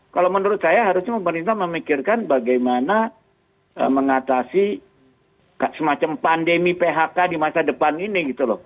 kalau menurut saya harusnya pemerintah memikirkan bagaimana mengatasi semacam pandemi phk di masa depan ini gitu loh